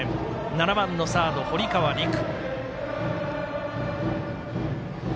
７番、サードの堀川琉空。